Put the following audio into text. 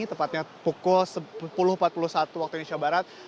tepatnya pukul sepuluh empat puluh satu waktu indonesia barat